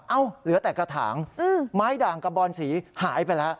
เหลือแต่กระถางไม้ด่างกระบอนสีหายไปแล้ว